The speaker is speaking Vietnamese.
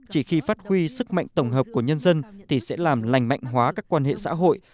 chỉ khi phát huy sức mạnh tổng hợp của nhân dân thì sẽ làm lành mạnh hóa các quan hệ xã hội